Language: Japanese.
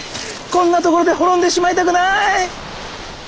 こんなところで滅んでしまいたくない。